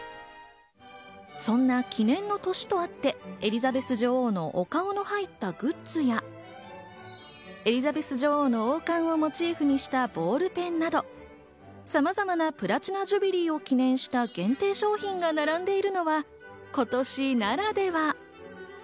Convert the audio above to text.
そんな記念の年とあって、エリザベス女王のお顔の入ったグッズや、エリザベス女王の王冠をモチーフにしたボールペンなど、さまざまなプラチナ・ジュビリーを記念した限定商品が並んでいるのは今年ならでは。